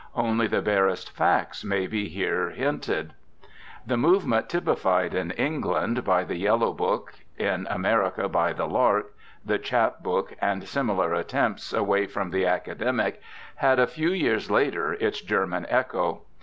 Only the barest facts may here be hinted. The movement typified in England by ii RECOLLECTIONS OF OSCAR WILDE the Yellow Book, in America by the Lark, the Cbap Book, and similar attempts away from the academic, had a few years later its German echo.